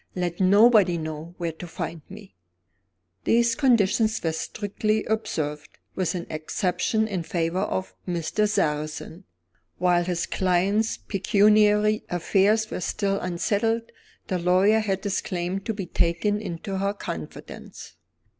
"Let nobody know where to find me." These conditions were strictly observed with an exception in favor of Mr. Sarrazin. While his client's pecuniary affairs were still unsettled, the lawyer had his claim to be taken into her confidence.